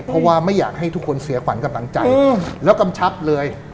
เพราะว่าไม่อยากให้ทุกคนเสียขวัญกำลังใจแล้วกำชับเลย